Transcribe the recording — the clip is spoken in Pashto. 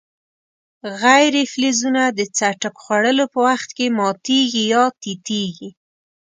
غیر فلزونه د څټک خوړلو په وخت کې ماتیږي یا تیتیږي.